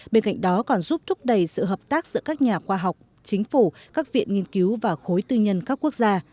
bên cạnh đó còn giúp thúc đẩy sự hợp tác giữa các nhà khoa học chính phủ các viện nghiên cứu và khối tư nhân các quốc gia